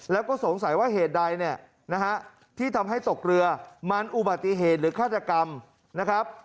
แล้วก็สงสัยว่าเหตุใดเนี่ยนะฮะที่ทำให้ตกเรือมันอุบัติเหตุหรือฆาตกรรมนะครับ